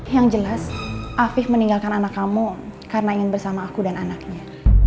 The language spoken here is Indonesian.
yang jelas afif meninggalkan anak kamu karena ingin bersama aku dan anaknya